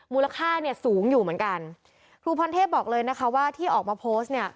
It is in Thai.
มูลค่าเนี่ยสูงอยู่เหมือนกันครูพรเทพบอกเลยนะคะว่าที่ออกมาโพสต์เนี่ย